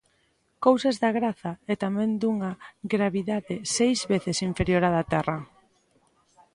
Cousas da graza e tamén dunha gravidade seis veces inferior á da Terra.